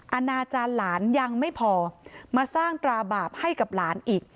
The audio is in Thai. อาณาจารย์หลานยังไม่พอมาสร้างตราบาปให้กับหลานอีก